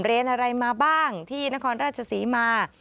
เรียนอะไรมาบ้างที่นครราชศรีมา